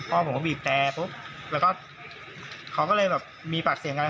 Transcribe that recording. พ่อผมก็บีบแตกปุ๊บเขาก็เลยแบบมีปากเสียงกัน